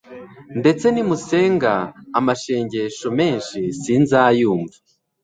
ndetse nimusenga amashengesho menshi sinzayumva